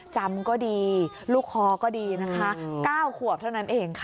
จำก็ดีลูกคอก็ดีนะคะ๙ขวบเท่านั้นเองค่ะ